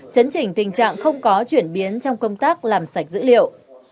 chấn chỉnh tình trạng không có chuyển biến trong công tác làm sạch dữ liệu